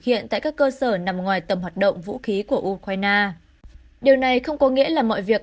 hiện tại các cơ sở nằm ngoài tầm hoạt động vũ khí của ukraine điều này không có nghĩa là mọi việc